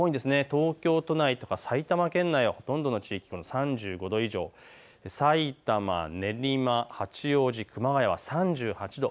東京都内や埼玉県内、ほとんどの地域で３５度以上、さいたま、練馬、八王子、熊谷は３８度。